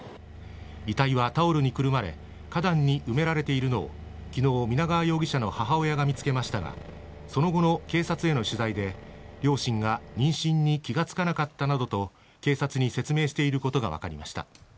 遺体がタオルにくるまれ花壇に埋められているのを昨日、皆川容疑者の母親が見つけましたがその後の警察への取材で両親が妊娠に気が付かなかったなどと警察に説明していることが分かりました。